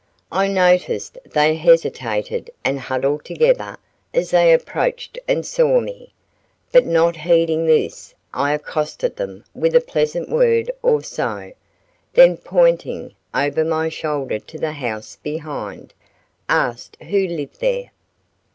I noticed they hesitated and huddled together as they approached and saw me, but not heeding this, I accosted them with a pleasant word or so, then pointing over my shoulder to the house behind, asked who lived there.